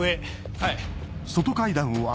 はい。